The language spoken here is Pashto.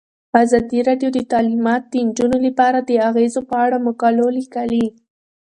ازادي راډیو د تعلیمات د نجونو لپاره د اغیزو په اړه مقالو لیکلي.